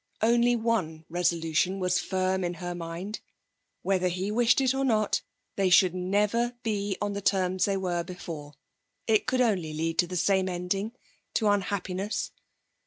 Only one resolution was firm in her mind. Whether he wished it or not, they should never be on the terms they were before. It could only lead to the same ending to unhappiness.